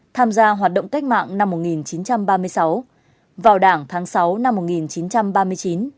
tham gia hoạt động cách mạng năm một nghìn chín trăm ba mươi sáu vào đảng tháng sáu năm một nghìn chín trăm ba mươi chín